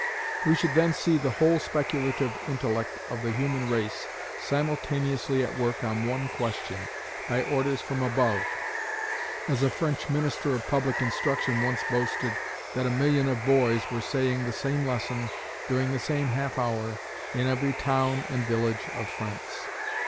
We should then see the whole speculative intellect of the human race simultaneously at work on one question, by orders from above, as a French minister of public instruction once boasted that a million of boys were saying the same lesson during the same half hour in every town and village of France.